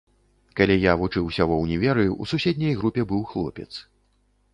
Калі я вучыўся ва ўніверы, у суседняй групе быў хлопец.